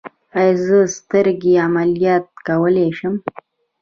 ایا زه سترګې عملیات کولی شم؟